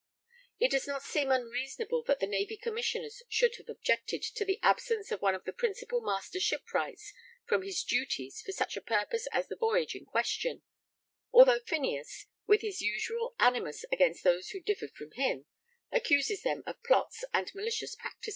It does not seem unreasonable that the Navy Commissioners should have objected to the absence of one of the principal master shipwrights from his duties for such a purpose as the voyage in question, although Phineas, with his usual animus against those who differed from him, accuses them of plots and malicious practices.